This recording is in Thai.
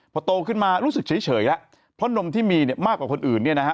พอโตขึ้นมารู้สึกเฉยแล้วเพราะนมที่มีเนี่ยมากกว่าคนอื่นเนี่ยนะฮะ